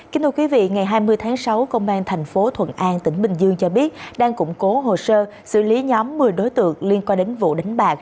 kính thưa quý vị ngày hai mươi tháng sáu công an thành phố thuận an tỉnh bình dương cho biết đang củng cố hồ sơ xử lý nhóm một mươi đối tượng liên quan đến vụ đánh bạc